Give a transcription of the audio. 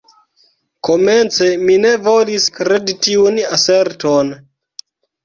Komence mi ne volis kredi tiun aserton.